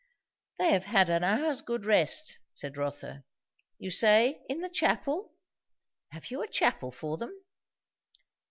"They have had an hour's good rest," said Rotha. "You say, in the chapel? have you a chapel for them?"